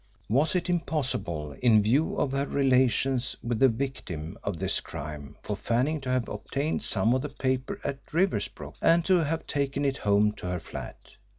Was it impossible in view of her relations with the victim of this crime for Fanning to have obtained some of the paper at Riversbrook and to have taken it home to her flat?